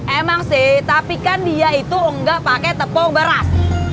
emang sih tapi kan dia itu enggak pakai tepung beras